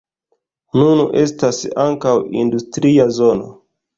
Nun estas ankaŭ industria zono.